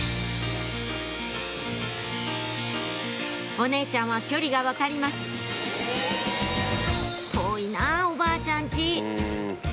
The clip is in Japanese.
お姉ちゃんは距離が分かります「遠いなぁおばあちゃん家」